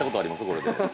これで。